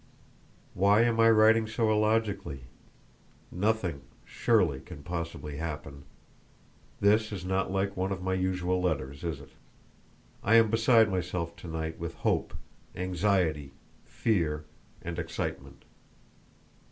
Why am I writing so illogically! Nothing, surely, can possibly happen. This is not like one of my usual letters, is it? I am beside myself to night with hope, anxiety, fear, and excitement.